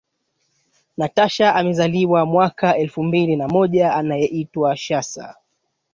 Natasha amezaliwa mwaka elfu mbili na moja anayeitwa Sasha